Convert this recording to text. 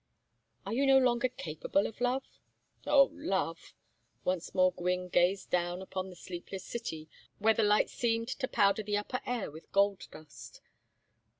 "And are you no longer capable of love?" "Oh, love!" Once more Gwynne gazed down upon the sleepless city, where the lights seemed to powder the upper air with gold dust.